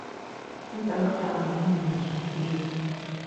A na ntap nta’ ṅi mi Nji té.